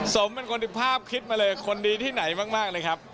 สมเป็นคนที่ภาพคิดมาเลยคนดีที่ไหนมากเลยครับ